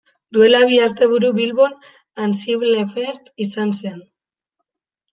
Duela bi asteburu Bilbon AnsibleFest izan zen.